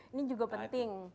ini juga penting